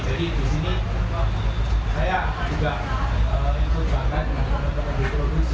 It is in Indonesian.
jadi disini saya juga ikut bahkan untuk mengembedikan produksi